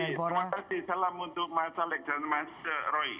selamat hari salam untuk mas alex dan mas roy